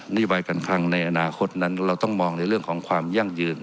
นโยบายการคลังในอนาคตนั้นเราต้องมองในเรื่องของความยั่งยืน